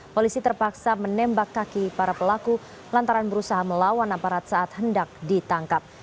polisi terpaksa menembak kaki para pelaku lantaran berusaha melawan aparat saat hendak ditangkap